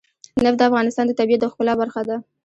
نفت د افغانستان د طبیعت د ښکلا برخه ده.